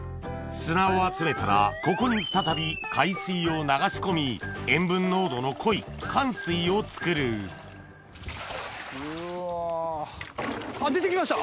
砂を集めたらここに再び海水を流し込み塩分濃度の濃いかん水を作る出て来ました！